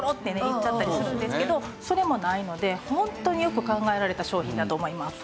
行っちゃったりするんですけどそれもないのでホントによく考えられた商品だと思います。